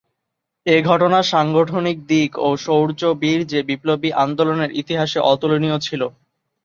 এ ঘটনা সাংগঠনিক দিক ও শৌর্য-বীর্যে বিপ্লবী আন্দোলনের ইতিহাসে অতুলনীয় ছিল।